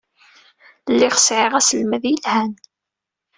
Lliɣ sɛiɣ aselmad yelhan.